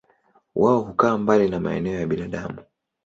Wao hukaa mbali na maeneo ya binadamu.